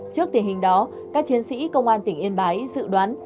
trước tình hình đó các chiến sĩ công an tỉnh yên bái dự đoán